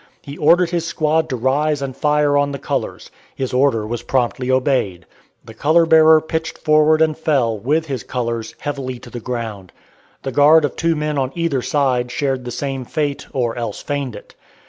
He ordered his squad to rise and fire on the colors. His order was promptly obeyed. The color bearer pitched forward and fell, with his colors, heavily to the ground. The guard of two men on either side shared the same fate, or else feigned it.